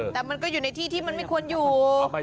แต่มันก็อยู่ในที่ที่มันไม่ควรอยู่